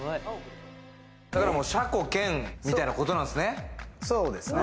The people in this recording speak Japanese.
だから、車庫兼みたいなことなんですね。